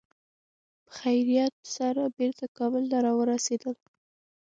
په خیریت سره بېرته کابل ته را ورسېدل.